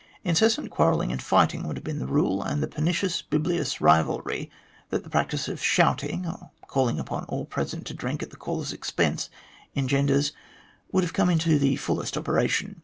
Incessant quarrelling and fighting would have been the rule, and the pernicious bibulous rivalry that the practice of " shouting," or calling upon all present to drink at the caller's expense, engenders, would have come into the fullest operation.